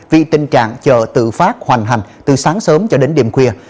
vì tình trạng chợ tự phát hoành hành từ sáng sớm cho đến đêm khuya